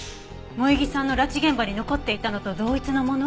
萌衣さんの拉致現場に残っていたのと同一のもの？